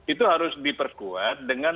itu harus diperkuat dengan